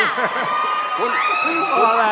เฮ้คุณพอแล้ว